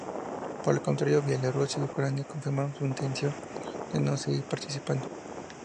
Por el contrario, Bielorrusia y Ucrania confirmaron su intención de no seguir participando.